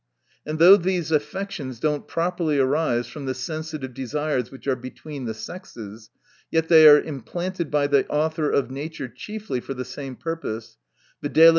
And though these affections do not properly arise from the sensitive desires which are between the sexes, yet they are im planted by the Author of nature chiefly for the same purpose, viz.